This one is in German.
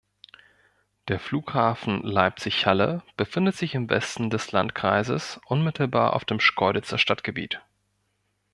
Der Flughafen Leipzig-Halle befindet sich im Westen des Landkreises unmittelbar auf dem Schkeuditzer Stadtgebiet.